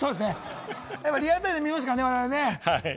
リアルタイムで見ましたからね、我々。